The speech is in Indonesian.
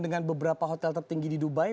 dengan beberapa hotel tertinggi di dubai